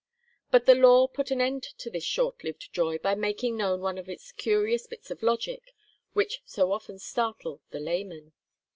But the law put an end to this short lived joy by making known one of its curious bits of logic, which so often startle the layman.